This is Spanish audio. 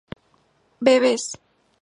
bebes